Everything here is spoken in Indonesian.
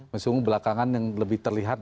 meskipun belakangan yang lebih terlihat